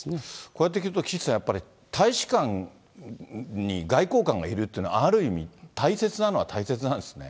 こうやって聞くと、岸さん、やっぱり大使館に外交官がいるっていうのは、ある意味大切なのは大切なんですね。